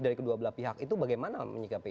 dari kedua belah pihak itu bagaimana menyikapi